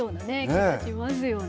気がしますよね。